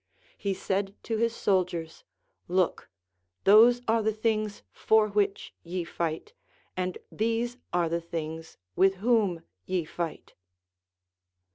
He said to his soldiers, Look, those are the things for which ye fight, and these are the things with whom ye fight.